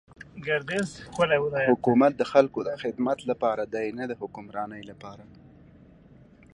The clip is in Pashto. حکومت د خلکو د خدمت لپاره دی نه د حکمرانی لپاره.